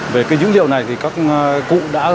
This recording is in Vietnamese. về cái dữ liệu này thì các cụ đã